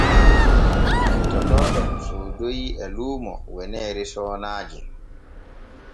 Cippitotooɗo soodoyi e luumo weneere soonaaje.